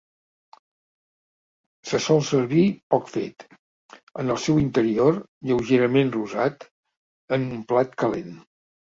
Se sol servir 'Poc fet', amb el seu interior lleugerament rosat, en un plat calent.